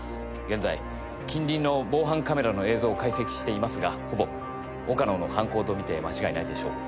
現在近隣の防犯カメラの映像を解析していますがほぼ岡野の犯行と見て間違いないでしょう。